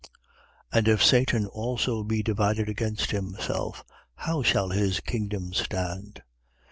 11:18. And if Satan also be divided against himself, how shall his kingdom stand?